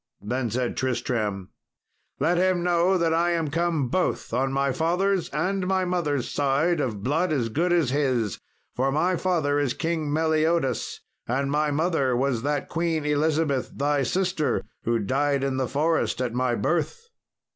Then said Tristram, "Let him know that I am come both on my father's and my mother's side of blood as good as his, for my father is King Meliodas and my mother was that Queen Elizabeth, thy sister, who died in the forest at my birth."